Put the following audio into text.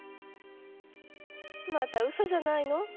またウソじゃないの？